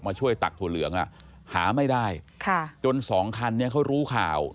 ช่วยตักถั่วเหลืองอ่ะหาไม่ได้จนสองคันนี้เขารู้ข่าว